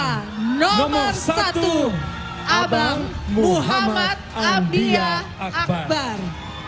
nomor satu abang muhammad abdia akbar